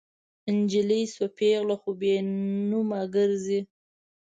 نجلۍ شوه پیغله خو بې نومه ګرزي